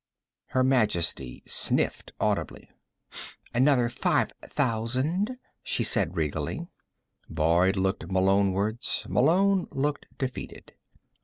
Her Majesty sniffed audibly. "Another five thousand," she said regally. Boyd looked Malone wards. Malone looked defeated.